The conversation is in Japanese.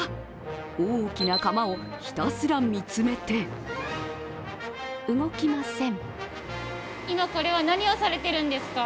大きな窯をひたすら見つめて動きません。